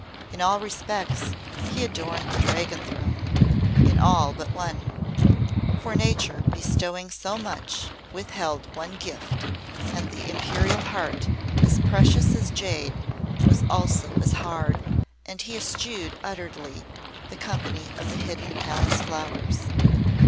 In all respects he adorned the Dragon Throne in all but one; for Nature, bestowing so much, withheld one gift, and the Imperial heart, as precious as jade, was also as hard, and he eschewed utterly the company of the Hidden Palace Flowers.